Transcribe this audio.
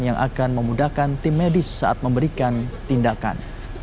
yang akan memudahkan tim medis saat memberikan tindakan